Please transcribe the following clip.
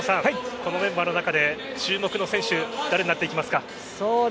このメンバーの中で注目の選手誰になっていきますか？